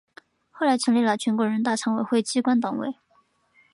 后来成立了全国人大常委会机关党委。